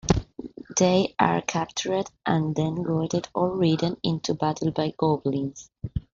They are captured and then goaded or ridden into battle by goblins.